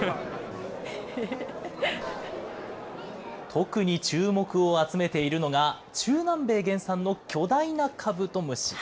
特に注目を集めているのが、中南米原産の巨大なカブトムシ。